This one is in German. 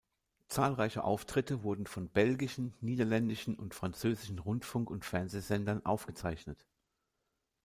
Zahlreiche Auftritte wurden von belgischen, niederländischen und französischen Rundfunk- und Fernsehsendern aufgezeichnet.